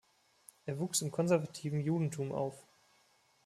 Er wuchs im Konservativen Judentum auf.